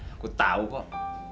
aku tau kok